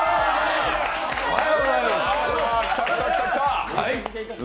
おはようございます！